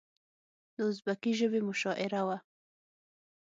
د ازبکي ژبې مشاعره وه.